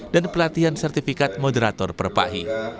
pelatihan sertifikat moderator perpahi